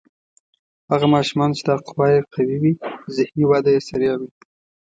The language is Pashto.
هغه ماشومان چې دا قوه یې قوي وي ذهني وده یې سریع وي.